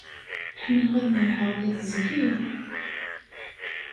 Ḥemmleɣ ad merrḥeɣ deg teẓgi.